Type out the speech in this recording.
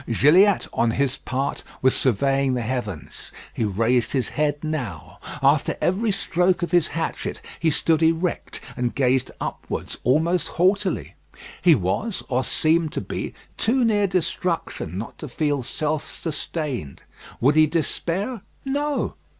Gilliatt on his part was surveying the heavens. He raised his head now. After every stroke of his hatchet he stood erect and gazed upwards, almost haughtily. He was, or seemed to be, too near destruction not to feel self sustained. Would he despair? No!